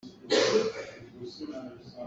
Na zu a fil tuk caah aho hmanh nih an ding duh lo.